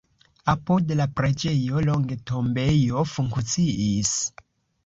Apud la preĝejo longe tombejo funkciis.